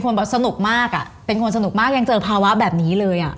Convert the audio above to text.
คือว่านฉัยเป็นคนสนุกมากก็ยังเจอภาวะแบบนี้เลย